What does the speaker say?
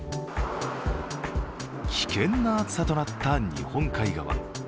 危険な暑さとなった日本海側。